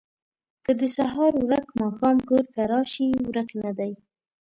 که د سهار ورک ماښام کور ته راشي، ورک نه دی.